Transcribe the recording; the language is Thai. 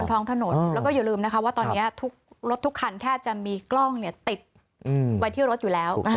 ท้องถนนแล้วก็อย่าลืมนะคะว่าตอนนี้ทุกรถทุกคันแทบจะมีกล้องติดไว้ที่รถอยู่แล้ว